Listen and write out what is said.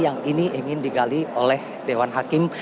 yang ini ingin digali oleh dewan hakim